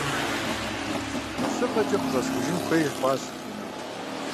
Лъэщыгъэкэ къыщӀэсхуэжын хуей хъуащ унэм.